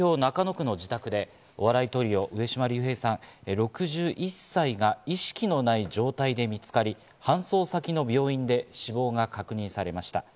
東京都中野区の自宅でお笑いトリオ・上島竜兵さん、６１歳が意識のない状態で見つかり、搬送先の病院で死亡が確認されました。